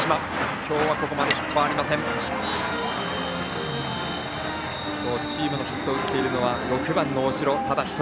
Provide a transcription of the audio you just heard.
今日、チームのヒットを打っているのは６番の大城、ただ１人。